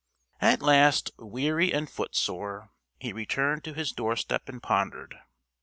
At last, weary and footsore, he returned to his doorstep and pondered.